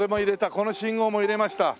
この信号も入れました。